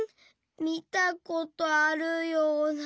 みたことあるような。